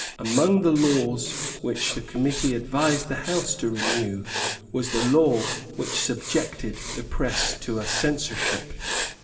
Among the laws which the committee advised the House to renew was the law which subjected the press to a censorship.